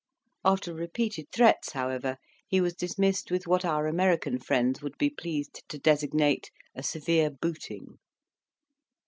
After repeated threats, however, he was dismissed with what our American friends would be pleased to designate "a severe booting."